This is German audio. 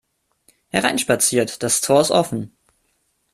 Hereinspaziert, das Tor ist offen!